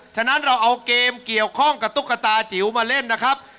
ฉะนั้นเราเอาเกมเกี่ยวข้องกับตุ๊กตาจิ๋วมาเล่นนะครับ